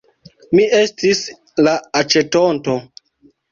Mi estis la aĉetonto.